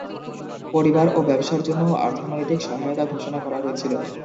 পরিবার এবং ব্যবসার জন্যও অর্থনৈতিক সহায়তা ঘোষণা করা হয়েছিল।